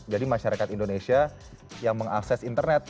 jadi masyarakat indonesia yang mengakses internet